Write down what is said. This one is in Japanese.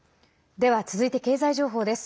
では、続いて経済情報です。